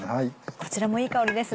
こちらもいい香りですね。